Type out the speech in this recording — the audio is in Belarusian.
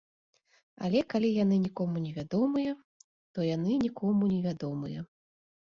Але калі яны нікому не вядомыя, то яны нікому не вядомыя.